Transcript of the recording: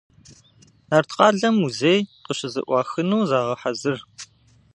Нарткъалъэ музей къыщызэӏуахыну загъэхьэзыр.